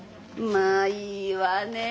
まあいい人ねえ！